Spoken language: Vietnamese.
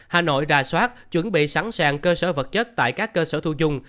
hà nội ra soát chuẩn bị sẵn sàng cơ sở vật chất tại các cơ sở thu dung